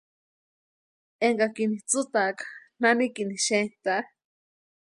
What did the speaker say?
Énkakini tsïtaaka nanikini xentaa.